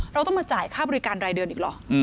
เราต้องมาจ่ายค่าบริการรายเดือนอีกหรอ